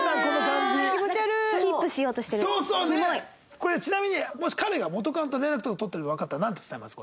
これちなみにもし彼が元カノと連絡とか取ってるとわかったらなんて伝えます？